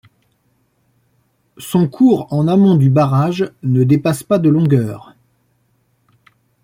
Son cours en amont du barrage ne dépasse pas de longueur.